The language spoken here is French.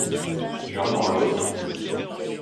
Tu en auras d’autres ?